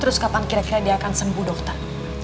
terus kapan kira kira dia akan sembuh dokter